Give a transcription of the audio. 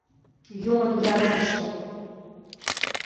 — Юмын языкше!..